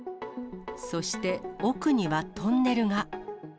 そして、奥にはトンネルが。